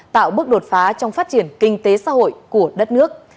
tạo bước đột phá trong phát triển kinh tế xã hội của đất nước